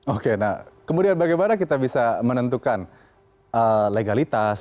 oke nah kemudian bagaimana kita bisa menentukan legalitas